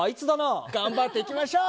頑張っていきましょう！